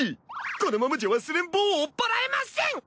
このままじゃわすれん帽を追っ払えません！